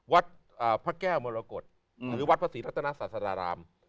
วัดพระแก้วมรกฏหรือวัดพระศรีรัตนาศาสดาราม